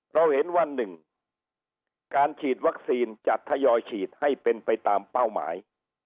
เราเห็นว่า๑การฉีดวัคซีนจะทยอยฉีดให้เป็นไปตามเป้าหมาย